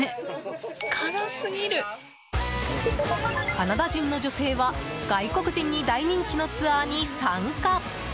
カナダ人の女性は外国人に大人気のツアーに参加。